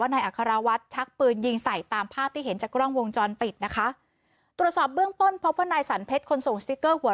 นะคะตุรสอบเบื้องบ้นเพราะพวกนายสันเพชรคนส่งสติกเกอร์หัว